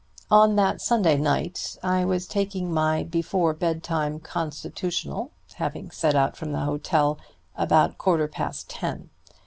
On that Sunday night I was taking my before bedtime constitutional, having set out from the hotel about a quarter past ten.